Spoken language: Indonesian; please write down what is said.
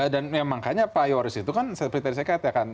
dan memang kayaknya pak yoris itu kan seperti tadi saya kata kan